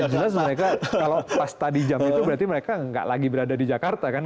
yang jelas mereka kalau pas tadi jam itu berarti mereka nggak lagi berada di jakarta kan